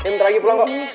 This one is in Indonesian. im terakhir pulang kok